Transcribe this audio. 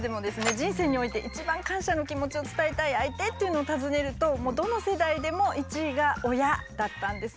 人生において一番感謝の気持ちを伝えたい相手っていうのを尋ねるとどの世代でも１位が「親」だったんですね。